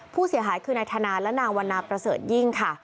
ผู้เสียหายคือนายธนาและนางวันนาประเสริฐยิ่งค่ะ